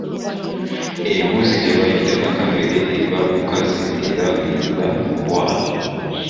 Embuzi gye bayita nakabege eba nkazi ng'erina obwana.